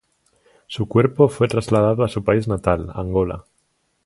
Su cuerpo fue trasladado a su país natal, Angola.